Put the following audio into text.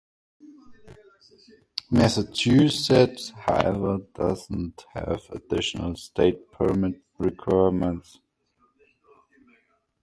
Massachusetts, however, does not have additional state permit requirements.